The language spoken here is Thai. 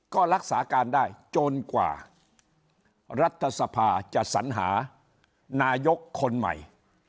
ก็รักษาการได้จนกว่ารัฐสภาจะสัญหานายกคนใหม่